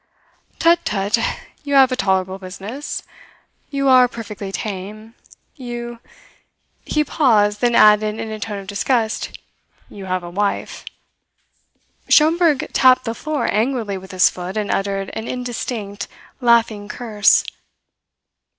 "Tut, tut! You have a tolerable business. You are perfectly tame; you " He paused, then added in a tone of disgust: "You have a wife." Schomberg tapped the floor angrily with his foot and uttered an indistinct, laughing curse.